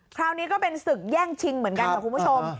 คราวนี้ก็เป็นศึกแย่งชิงเหมือนกันค่ะคุณผู้ชม